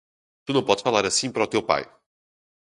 Tu não podes falar assim para o teu pai!